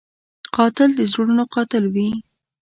قاتل د زړونو قاتل وي